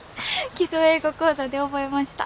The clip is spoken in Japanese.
「基礎英語講座」で覚えました。